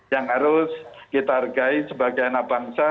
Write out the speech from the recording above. yang harus kita hargai sebagai anak bangsa